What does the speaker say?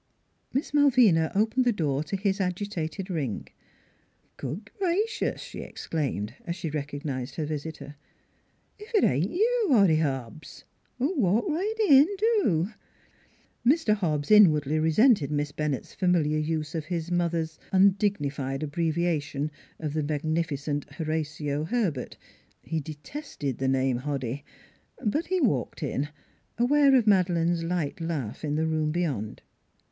Miss Malvina opened the door to his agitated ring. " Good gracious !" she exclaimed, as she recog nized her visitor, " if it ain't you, Hoddy Hobbs ! Walk right in, do." Mr. Hobbs inwardly resented Miss Bennett's familiar use of his mother's undignified abbrevia tion of the magnificent Horatio Herbert. He detested the name Hoddy; but he walked in, aware of Madeleine's light laugh in the room beyond.